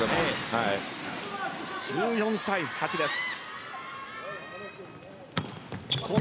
１４対８です。